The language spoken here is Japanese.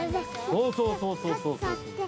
そうそうそうそうそう。